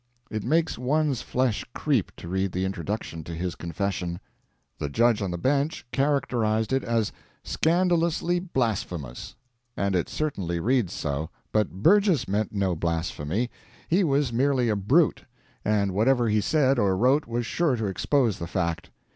It makes one's flesh creep to read the introduction to his confession. The judge on the bench characterized it as "scandalously blasphemous," and it certainly reads so, but Burgess meant no blasphemy. He was merely a brute, and whatever he said or wrote was sure to expose the fact.